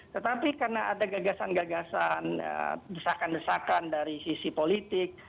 tetapi karena ada gagasan gagasan desakan desakan dari sisi politik